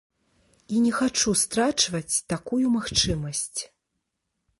І не хачу страчваць такую магчымасць.